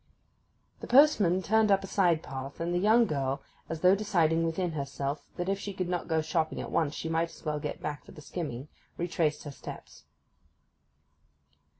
The postman turned up a side path, and the young girl, as though deciding within herself that if she could not go shopping at once she might as well get back for the skimming, retraced her steps.